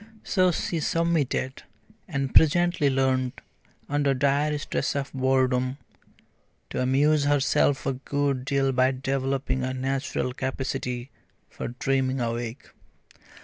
So she submitted, and presently learnt, under dire stress of boredom, to amuse herself a good deal by developing a natural capacity for dreaming awake.